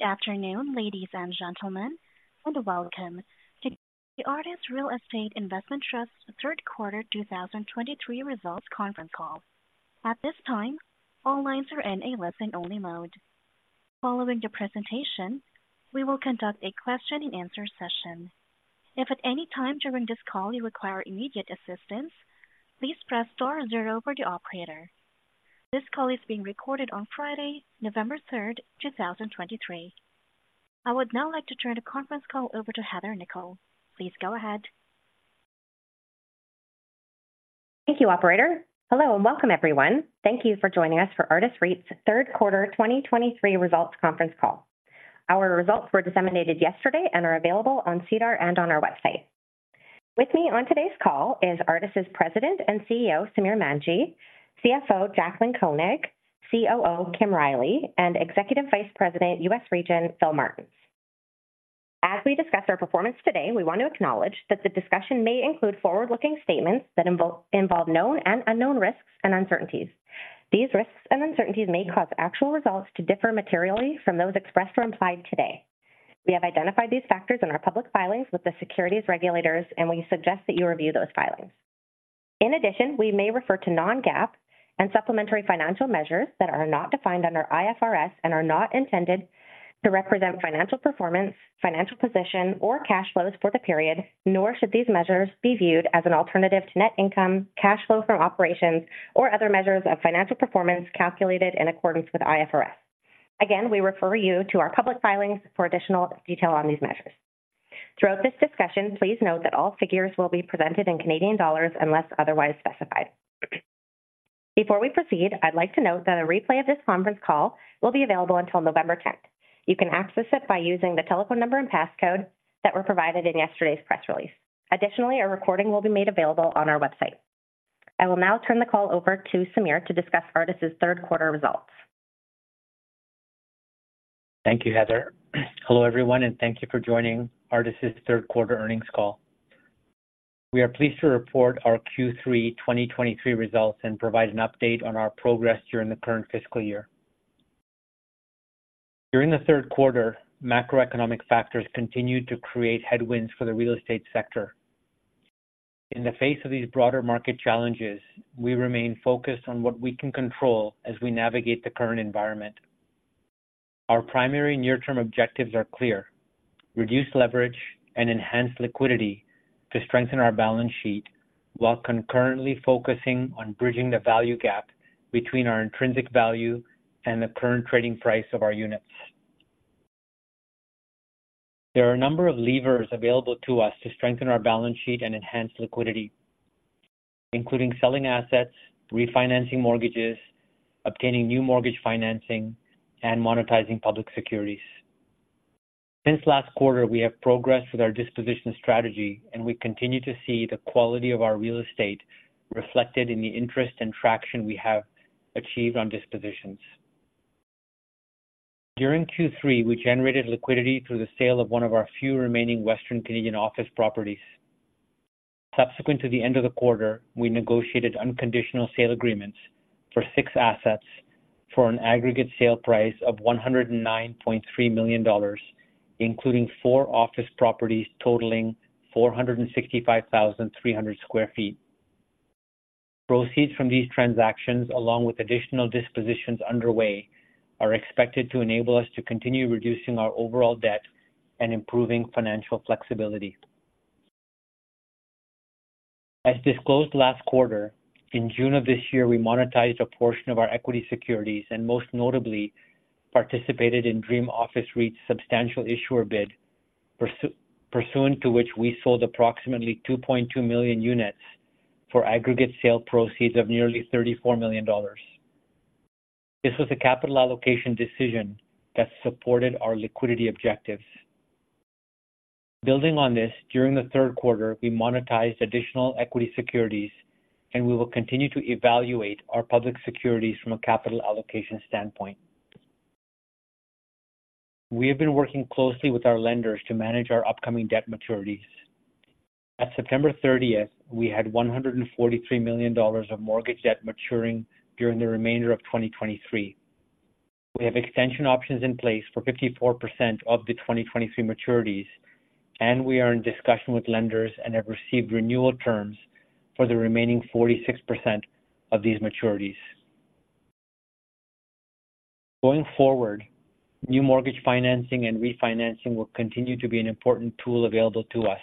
Good afternoon, ladies and gentlemen, and welcome to the Artis Real Estate Investment Trust third quarter 2023 results conference call. At this time, all lines are in a listen-only mode. Following the presentation, we will conduct a question-and-answer session. If at any time during this call you require immediate assistance, please press star zero for the operator. This call is being recorded on Friday, November 3rd, 2023. I would now like to turn the conference call over to Heather Nikkel. Please go ahead. Thank you, operator. Hello, and welcome, everyone. Thank you for joining us for Artis REIT's third quarter 2023 results conference call. Our results were disseminated yesterday and are available on SEDAR and on our website. With me on today's call is Artis's President and CEO, Samir Manji, CFO, Jaclyn Koenig, COO, Kim Riley, and Executive Vice President, U.S. Region, Philip Martens. As we discuss our performance today, we want to acknowledge that the discussion may include forward-looking statements that involve known and unknown risks and uncertainties. These risks and uncertainties may cause actual results to differ materially from those expressed or implied today. We have identified these factors in our public filings with the securities regulators, and we suggest that you review those filings. In addition, we may refer to non-GAAP and supplementary financial measures that are not defined under IFRS and are not intended to represent financial performance, financial position, or cash flows for the period, nor should these measures be viewed as an alternative to net income, cash flow from operations, or other measures of financial performance calculated in accordance with IFRS. Again, we refer you to our public filings for additional detail on these measures. Throughout this discussion, please note that all figures will be presented in Canadian dollars unless otherwise specified. Before we proceed, I'd like to note that a replay of this conference call will be available until November 10th. You can access it by using the telephone number and passcode that were provided in yesterday's press release. Additionally, a recording will be made available on our website. I will now turn the call over to Samir to discuss Artis' third quarter results. Thank you, Heather. Hello, everyone, and thank you for joining Artis' third quarter earnings call. We are pleased to report our Q3 2023 results and provide an update on our progress during the current fiscal year. During the third quarter, macroeconomic factors continued to create headwinds for the real estate sector. In the face of these broader market challenges, we remain focused on what we can control as we navigate the current environment. Our primary near-term objectives are clear: reduce leverage and enhance liquidity to strengthen our balance sheet, while concurrently focusing on bridging the value gap between our intrinsic value and the current trading price of our units. There are a number of levers available to us to strengthen our balance sheet and enhance liquidity, including selling assets, refinancing mortgages, obtaining new mortgage financing, and monetizing public securities. Since last quarter, we have progressed with our disposition strategy, and we continue to see the quality of our real estate reflected in the interest and traction we have achieved on dispositions. During Q3, we generated liquidity through the sale of one of our few remaining Western Canadian office properties. Subsequent to the end of the quarter, we negotiated unconditional sale agreements for six assets for an aggregate sale price of 109.3 million dollars, including four office properties totaling 465,300 sq ft. Proceeds from these transactions, along with additional dispositions underway, are expected to enable us to continue reducing our overall debt and improving financial flexibility. As disclosed last quarter, in June of this year, we monetized a portion of our equity securities and most notably participated in Dream Office REIT's substantial issuer bid, pursuant to which we sold approximately 2.2 million units for aggregate sale proceeds of nearly 34 million dollars. This was a capital allocation decision that supported our liquidity objectives. Building on this, during the third quarter, we monetized additional equity securities, and we will continue to evaluate our public securities from a capital allocation standpoint. We have been working closely with our lenders to manage our upcoming debt maturities. At September 30th, we had 143 million dollars of mortgage debt maturing during the remainder of 2023. We have extension options in place for 54% of the 2023 maturities, and we are in discussion with lenders and have received renewal terms for the remaining 46% of these maturities. Going forward, new mortgage financing and refinancing will continue to be an important tool available to us,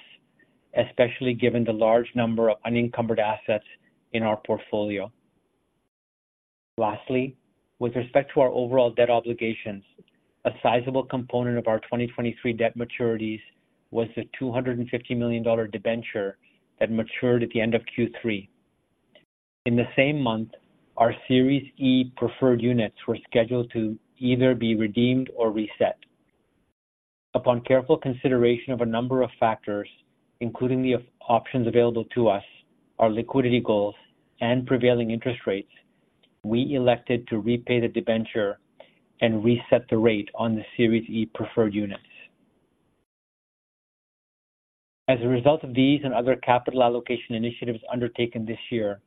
especially given the large number of unencumbered assets in our portfolio. Lastly, with respect to our overall debt obligations, a sizable component of our 2023 debt maturities was the 250 million dollar debenture that matured at the end of Q3. In the same month, our Series E Preferred Units were scheduled to either be redeemed or reset. Upon careful consideration of a number of factors, including the options available to us, our liquidity goals, and prevailing interest rates, we elected to repay the debenture and reset the rate on the Series E Preferred Units. As a result of these and other capital allocation initiatives undertaken this year,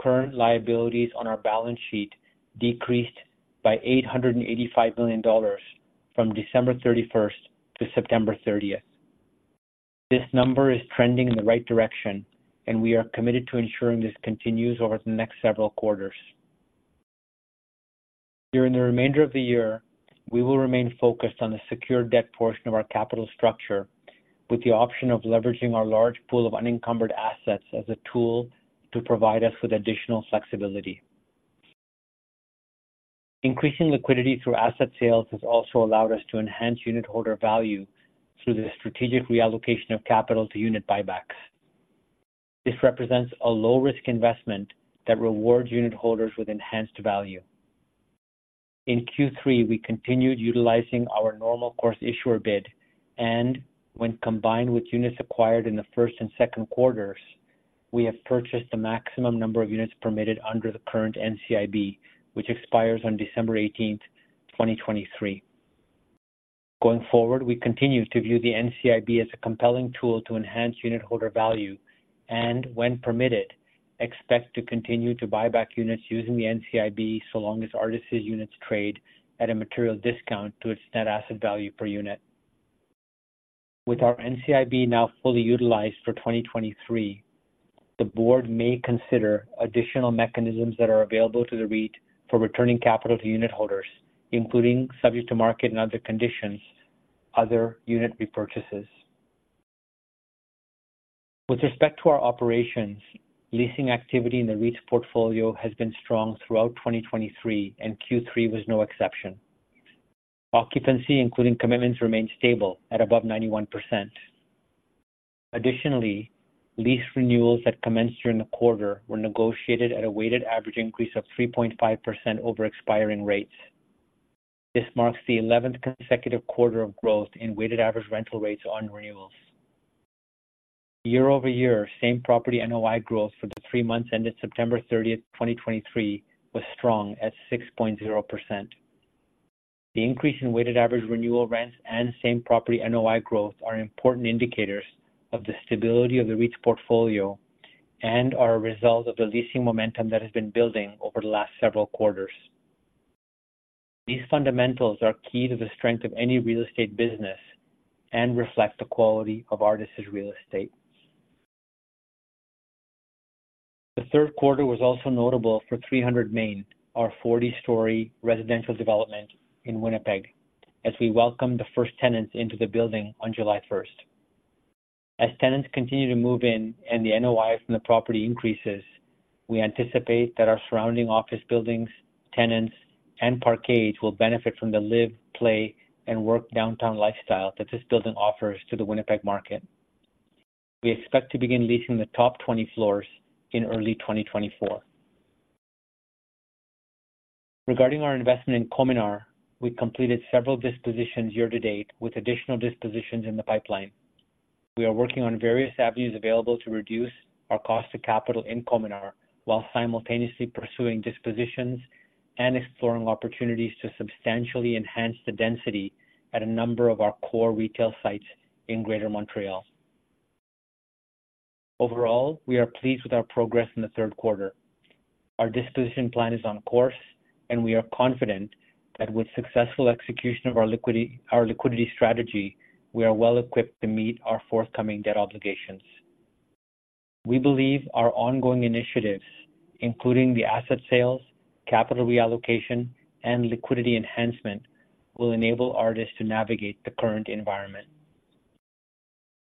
current liabilities on our balance sheet decreased by 885 million dollars from December 31st to September 30th. This number is trending in the right direction, and we are committed to ensuring this continues over the next several quarters. During the remainder of the year, we will remain focused on the secured debt portion of our capital structure, with the option of leveraging our large pool of unencumbered assets as a tool to provide us with additional flexibility. Increasing liquidity through asset sales has also allowed us to enhance unitholder value through the strategic reallocation of capital to unit buybacks. This represents a low-risk investment that rewards unitholders with enhanced value. In Q3, we continued utilizing our normal course issuer bid, and when combined with units acquired in the first and second quarters, we have purchased the maximum number of units permitted under the current NCIB, which expires on December 18th, 2023. Going forward, we continue to view the NCIB as a compelling tool to enhance unitholder value and, when permitted, expect to continue to buy back units using the NCIB, so long as Artis' units trade at a material discount to its net asset value per unit. With our NCIB now fully utilized for 2023, the Board may consider additional mechanisms that are available to the REIT for returning capital to unitholders, including, subject to market and other conditions, other unit repurchases. With respect to our operations, leasing activity in the REIT's portfolio has been strong throughout 2023, and Q3 was no exception. Occupancy, including commitments, remained stable at above 91%. Additionally, lease renewals that commenced during the quarter were negotiated at a weighted average increase of 3.5% over expiring rates. This marks the 11th consecutive quarter of growth in weighted average rental rates on renewals. Year over year, same-property NOI growth for the three months ended September 30th, 2023, was strong at 6.0%. The increase in weighted average renewal rents and same-property NOI growth are important indicators of the stability of the REIT's portfolio and are a result of the leasing momentum that has been building over the last several quarters. These fundamentals are key to the strength of any real estate business and reflect the quality of Artis' real estate. The third quarter was also notable for 300 Main, our 40-story residential development in Winnipeg, as we welcomed the first tenants into the building on July first. As tenants continue to move in and the NOI from the property increases, we anticipate that our surrounding office buildings, tenants, and parkades will benefit from the live, play, and work downtown lifestyle that this building offers to the Winnipeg market. We expect to begin leasing the top 20 floors in early 2024. Regarding our investment in Cominar, we completed several dispositions year to date, with additional dispositions in the pipeline. We are working on various avenues available to reduce our cost of capital in Cominar, while simultaneously pursuing dispositions and exploring opportunities to substantially enhance the density at a number of our core retail sites in Greater Montreal. Overall, we are pleased with our progress in the third quarter. Our disposition plan is on course, and we are confident that with successful execution of our liquidity strategy, we are well equipped to meet our forthcoming debt obligations. We believe our ongoing initiatives, including the asset sales, capital reallocation, and liquidity enhancement, will enable Artis to navigate the current environment.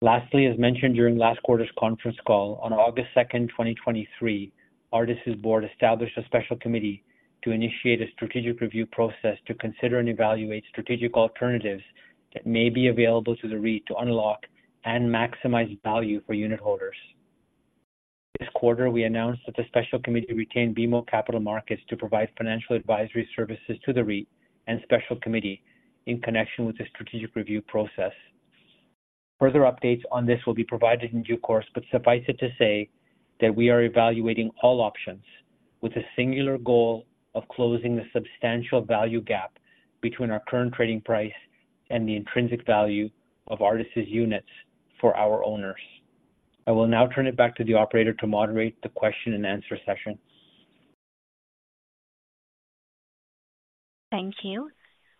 Lastly, as mentioned during last quarter's conference call, on August 2nd, 2023, Artis' Board established a special committee to initiate a strategic review process to consider and evaluate strategic alternatives that may be available to the REIT to unlock and maximize value for unitholders. This quarter, we announced that the special committee retained BMO Capital Markets to provide financial advisory services to the REIT and special committee in connection with the strategic review process. Further updates on this will be provided in due course, but suffice it to say that we are evaluating all options with the singular goal of closing the substantial value gap between our current trading price and the intrinsic value of Artis' units for our owners. I will now turn it back to the operator to moderate the question-and-answer session. Thank you.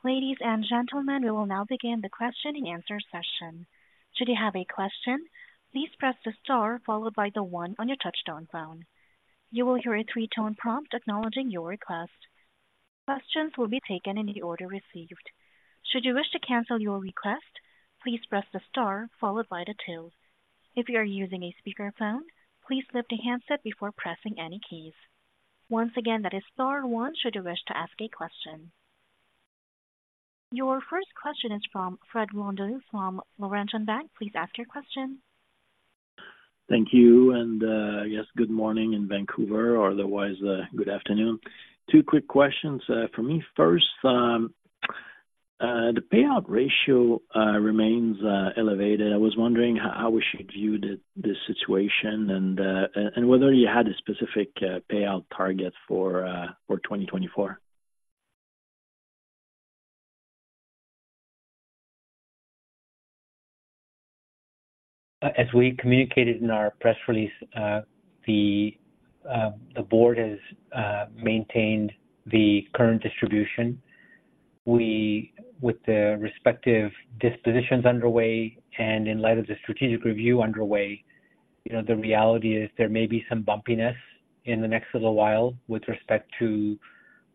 Ladies and gentlemen, we will now begin the question-and-answer session. Should you have a question, please press the star followed by the one on your touchtone phone. You will hear a three-tone prompt acknowledging your request. Questions will be taken in the order received. Should you wish to cancel your request, please press the star followed by the two. If you are using a speakerphone, please lift the handset before pressing any keys. Once again, that is star one should you wish to ask a question. Your first question is from Fred Blondeau from Laurentian Bank. Please ask your question. Thank you, and yes, good morning in Vancouver, or otherwise, good afternoon. Two quick questions from me. First, the payout ratio remains elevated. I was wondering how we should view this situation and whether you had a specific payout target for 2024? As we communicated in our press release, the Board has maintained the current distribution. We, with the respective dispositions underway and in light of the strategic review underway, you know, the reality is there may be some bumpiness in the next little while with respect to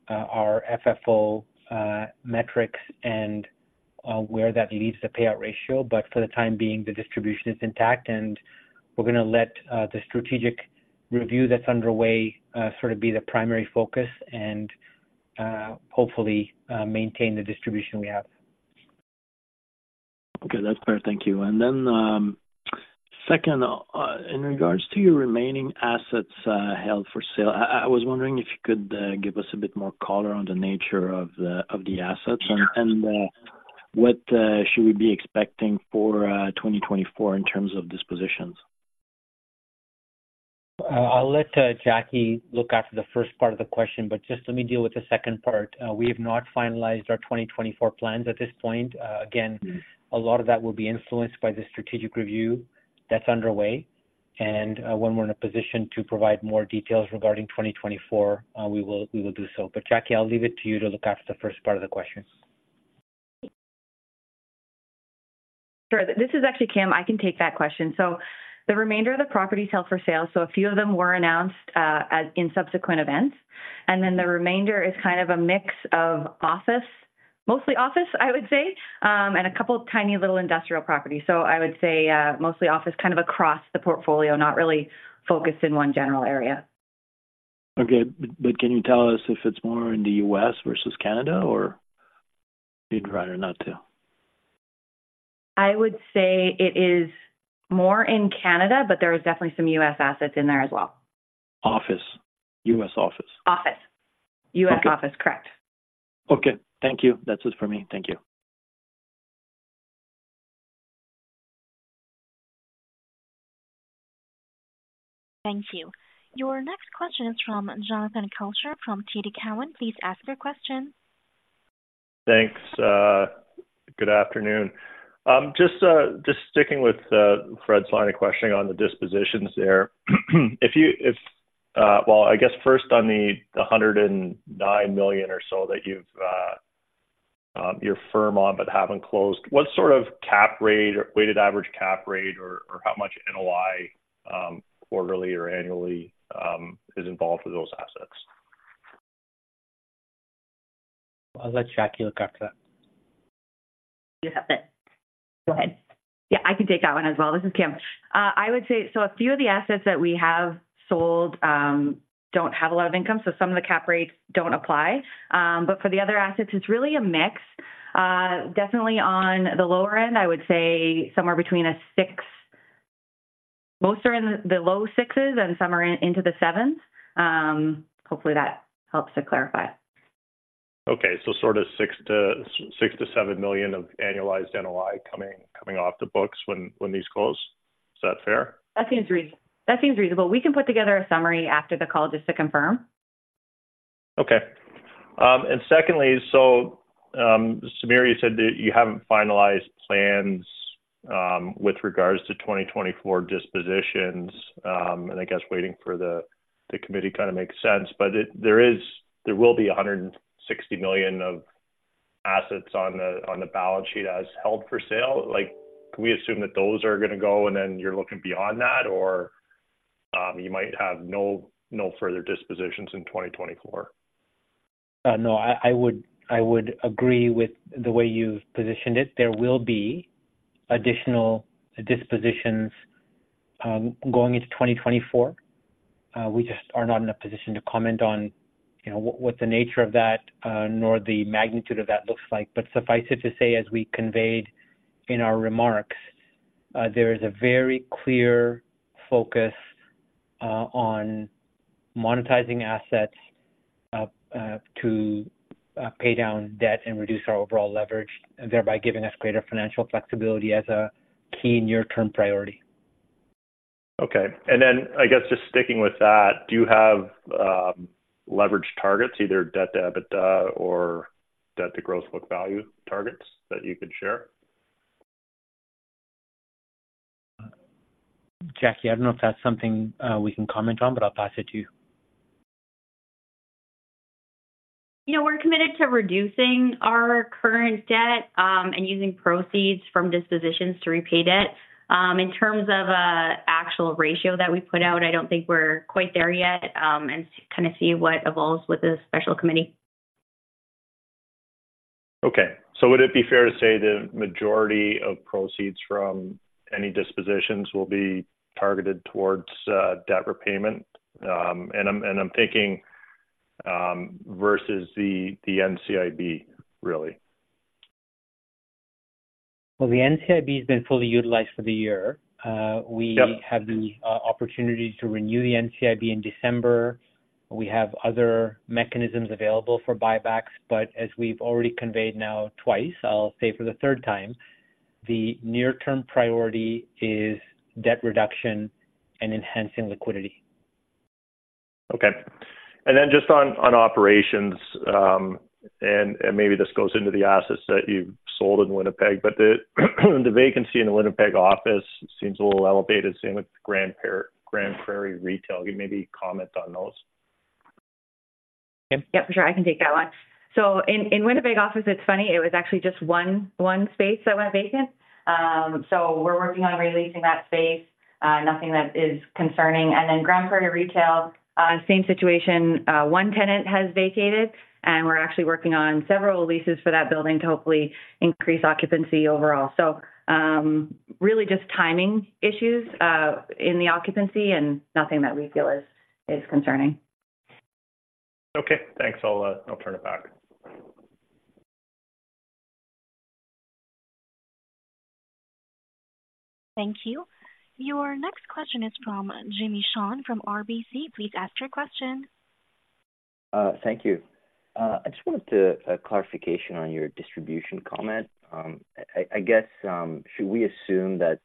our FFO metrics and where that leaves the payout ratio. But for the time being, the distribution is intact, and we're going to let the strategic review that's underway sort of be the primary focus and hopefully maintain the distribution we have. Okay. That's fair. Thank you. And then, second, in regards to your remaining assets, held for sale, I was wondering if you could give us a bit more color on the nature of the assets? And, what should we be expecting for 2024 in terms of dispositions? I'll let Jackie look after the first part of the question, but just let me deal with the second part. We have not finalized our 2024 plans at this point. Again, a lot of that will be influenced by the strategic review that's underway. And, when we're in a position to provide more details regarding 2024, we will, we will do so. But, Jackie, I'll leave it to you to look after the first part of the question. Sure. This is actually Kim. I can take that question. So the remainder of the property is held for sale, so a few of them were announced in subsequent events. And then the remainder is kind of a mix of office, mostly office, I would say, and a couple of tiny little industrial properties. So I would say, mostly office, kind of across the portfolio, not really focused in one general area. Okay. But, but can you tell us if it's more in the U.S. versus Canada, or you'd rather not to? I would say it is more in Canada, but there is definitely some U.S. assets in there as well. Office. U.S. office? Office. Okay. U.S. office, correct. Okay. Thank you. That's it for me. Thank you. Thank you. Your next question is from Jonathan Kelcher from TD Cowen. Please ask your question. Thanks, good afternoon. Just sticking with Fred's line of questioning on the dispositions there. If you, well, I guess first on the 109 million or so that you've, you're firm on, but haven't closed. What sort of cap rate or weighted average cap rate, or how much NOI, quarterly or annually, is involved with those assets? I'll let Jackie look after that. You have it. Go ahead. Yeah, I can take that one as well. This is Kim. I would say, so a few of the assets that we have sold don't have a lot of income, so some of the cap rates don't apply. But for the other assets, it's really a mix. Definitely on the lower end, I would say somewhere between a 6 million. Most are in the low 6s and some are in, into the 7s. Hopefully, that helps to clarify. Okay. So sort of 6 million-7 million of annualized NOI coming off the books when these close. Is that fair? That seems reasonable. We can put together a summary after the call just to confirm. Okay. And secondly, so, Samir, you said that you haven't finalized plans with regards to 2024 dispositions. And I guess waiting for the, the committee kind of makes sense. But it, there is, there will be 160 million of assets on the, on the balance sheet as held for sale. Like, can we assume that those are going to go, and then you're looking beyond that? Or, you might have no, no further dispositions in 2024? No, I would agree with the way you've positioned it. There will be additional dispositions, going into 2024. We just are not in a position to comment on, you know, what the nature of that, nor the magnitude of that looks like. But suffice it to say, as we conveyed in our remarks, there is a very clear focus, on monetizing assets, to pay down debt and reduce our overall leverage, thereby giving us greater financial flexibility as a key near-term priority. Okay. And then, I guess just sticking with that, do you have leverage targets, either debt to EBITDA or debt to gross book value targets that you could share? Jackie, I don't know if that's something we can comment on, but I'll pass it to you. You know, we're committed to reducing our current debt, and using proceeds from dispositions to repay debt. In terms of actual ratio that we put out, I don't think we're quite there yet, and to kind of see what evolves with the special committee. Okay. So would it be fair to say the majority of proceeds from any dispositions will be targeted towards debt repayment? And I'm thinking versus the NCIB, really. Well, the NCIB has been fully utilized for the year. Yep. We have the opportunity to renew the NCIB in December. We have other mechanisms available for buybacks, but as we've already conveyed now twice, I'll say for the third time, the near-term priority is debt reduction and enhancing liquidity. Okay. And then just on operations, and maybe this goes into the assets that you've sold in Winnipeg, but the vacancy in the Winnipeg office seems a little elevated, same with Grande Prairie Retail. Can maybe comment on those? Yep, sure. I can take that one. So in Winnipeg office, it's funny, it was actually just one space that went vacant. So we're working on re-leasing that space. Nothing that is concerning. And then Grande Prairie retail, same situation. One tenant has vacated, and we're actually working on several leases for that building to hopefully increase occupancy overall. So, really just timing issues in the occupancy and nothing that we feel is concerning. Okay, thanks. I'll turn it back. Thank you. Your next question is from Jimmy Shan from RBC. Please ask your question. Thank you. I just wanted a clarification on your distribution comment. I guess, should we assume that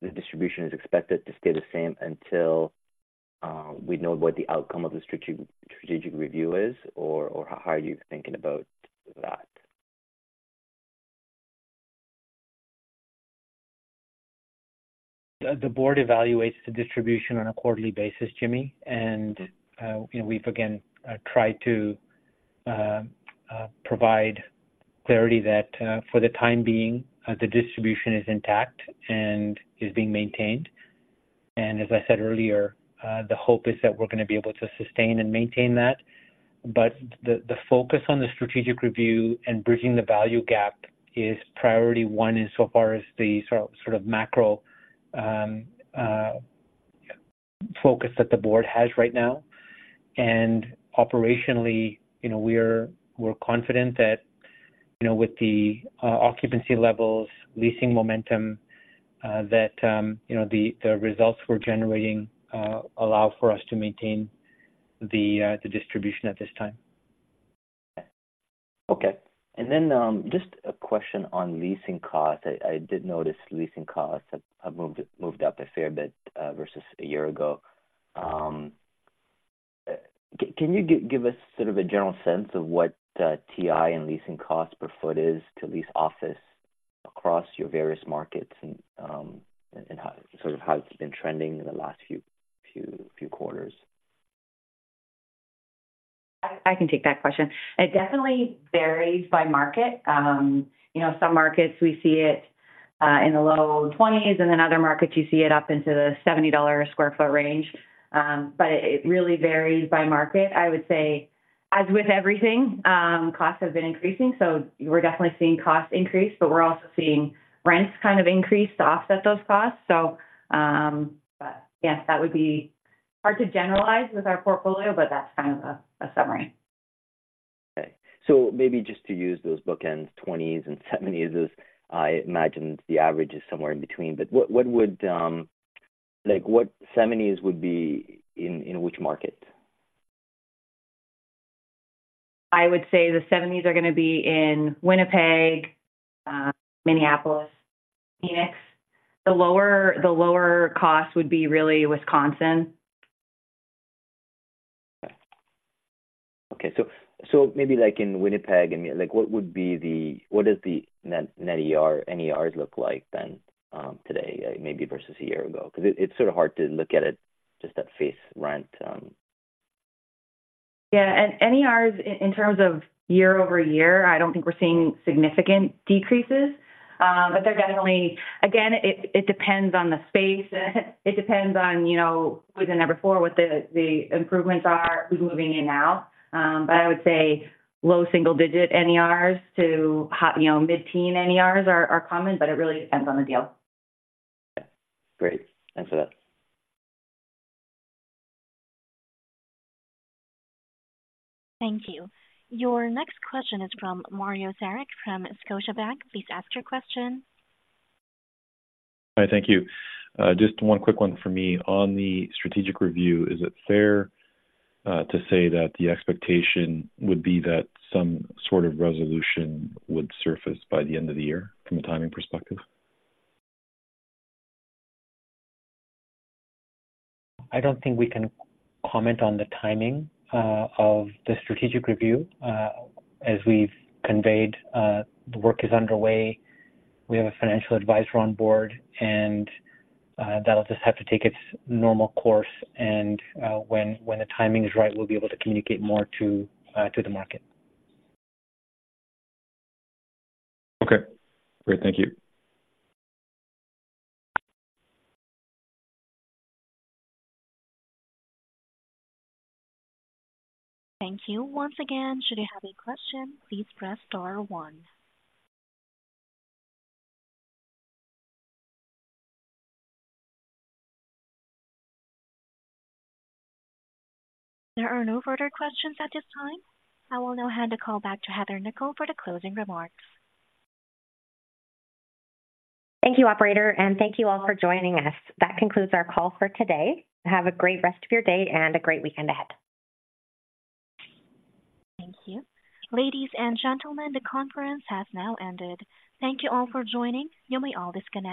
the distribution is expected to stay the same until we know what the outcome of the strategic review is, or how are you thinking about that? The Board evaluates the distribution on a quarterly basis, Jimmy, and, you know, we've again tried to provide clarity that, for the time being, the distribution is intact and is being maintained. And as I said earlier, the hope is that we're going to be able to sustain and maintain that. But the focus on the strategic review and bridging the value gap is priority one in so far as the sort of macro focus that the Board has right now. And operationally, you know, we're confident that, you know, with the occupancy levels, leasing momentum, that you know the results we're generating allow for us to maintain the distribution at this time. Okay. And then, just a question on leasing costs. I did notice leasing costs have moved up a fair bit versus a year ago. Can you give us sort of a general sense of what TI and leasing costs per foot is to lease office across your various markets and how it's been trending in the last few quarters? I can take that question. It definitely varies by market. You know, some markets we see it in the low 20s, and then other markets you see it up into the $70-a-square-foot range. But it really varies by market. I would say, as with everything, costs have been increasing, so we're definitely seeing costs increase, but we're also seeing rents kind of increase to offset those costs. So, but yes, that would be hard to generalize with our portfolio, but that's kind of a summary. Okay. So maybe just to use those bookends, 20s and 70s, as I imagine the average is somewhere in between. But what would, like, what 70s would be in which market? I would say the seventies are going to be in Winnipeg, Minneapolis, Phoenix. The lower cost would be really Wisconsin. Okay. So maybe like in Winnipeg, and like, what does the net, net ER, NER look like then, today, maybe versus a year ago? Because it's sort of hard to look at it just at face rent. Yeah, and NERs, in terms of year-over-year, I don't think we're seeing significant decreases. But they're definitely... Again, it depends on the space. It depends on, you know, who the number four, what the improvements are, who's moving in now. But I would say low single digit NERs to hi- you know, mid-teen NERs are common, but it really depends on the deal. Great. Thanks for that. Thank you. Your next question is from Mario Saric from Scotiabank. Please ask your question. Hi, thank you. Just one quick one for me. On the strategic review, is it fair to say that the expectation would be that some sort of resolution would surface by the end of the year, from a timing perspective? I don't think we can comment on the timing of the strategic review. As we've conveyed, the work is underway. We have a financial advisor on Board, and that'll just have to take its normal course, and when the timing is right, we'll be able to communicate more to the market. Okay, great. Thank you. Thank you. Once again, should you have a question, please press star one. There are no further questions at this time. I will now hand the call back to Heather Nikkel for the closing remarks. Thank you, operator, and thank you all for joining us. That concludes our call for today. Have a great rest of your day and a great weekend ahead. Thank you. Ladies and gentlemen, the conference has now ended. Thank you all for joining. You may all disconnect.